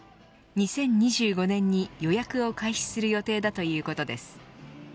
２０２５年に予約を開始する予定だということです。